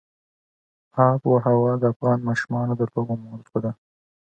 آب وهوا د افغان ماشومانو د لوبو موضوع ده.